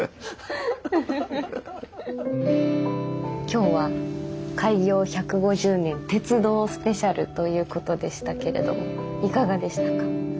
今日は「開業１５０年鉄道スペシャル」ということでしたけれどもいかがでしたか？